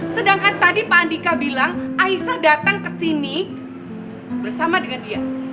sedangkan tadi pak andika bilang aisyah datang kesini bersama dengan dia